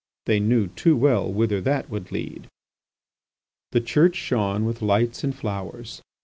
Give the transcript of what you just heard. They knew too well whither that would lead. The church shone with lights and flowers.